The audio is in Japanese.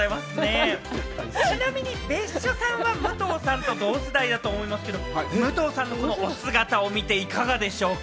ちなみに別所さんは武藤さんと同世代だと思いますけど、武藤さんのこのお姿を見て、いかがでしょうか？